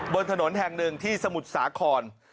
บนถนนแฮงดึงที่สมุทรสาขอน